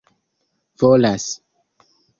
volas